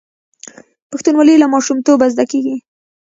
پښتونولي له ماشومتوبه زده کیږي.